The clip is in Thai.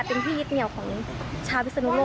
เพื่อนนักเรียนคอยเป็นกำลังใจให้อยู่ใกล้